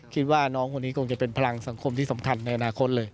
คิดว่าน้องคนนี้คงจะเป็นพลังสังคมที่สำคัญในอนาคตเลย